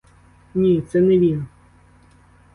Ні, це не він!